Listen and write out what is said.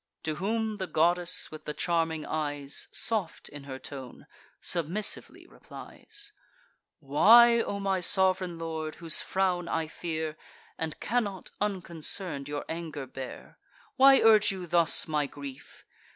To whom the goddess with the charming eyes, Soft in her tone, submissively replies: "Why, O my sov'reign lord, whose frown I fear, And cannot, unconcern'd, your anger bear; Why urge you thus my grief?